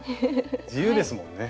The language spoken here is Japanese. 自由ですもんね。